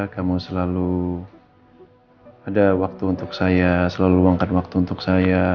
kamu selalu ada waktu untuk saya selalu luangkan waktu untuk saya